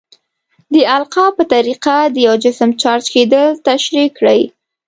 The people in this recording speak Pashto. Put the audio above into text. د القاء په طریقه د یو جسم چارج کیدل تشریح کړئ.